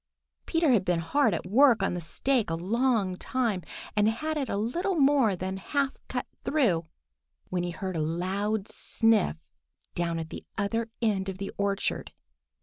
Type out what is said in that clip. Peter had been hard at work on the stake a long time and had it a little more than half cut through, when he heard a loud sniff down at the other end of the orchard.